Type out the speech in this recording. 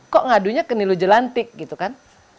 kok ngadunya ke nilu jelantik gitu kan